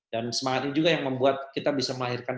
dan semangat ini juga yang membuat kita bisa melahirkan